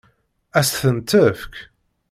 Ad s-ten-tefk?